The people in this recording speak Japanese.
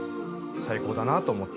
最高だなと思って。